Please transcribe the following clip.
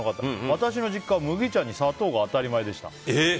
私の実家は麦茶に砂糖が当たり前です。